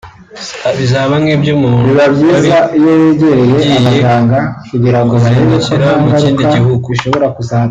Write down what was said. Bizaba nk’iby’umuntu wari ugiye kuzindukira mu kindi gihugu